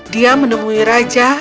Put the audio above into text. dia menemui raja